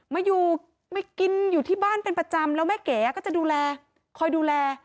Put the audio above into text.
มาอยู่มากินอยู่ที่บ้านเป็นประจำแล้วแม่เก๋ก็จะดูแลคอยดูแล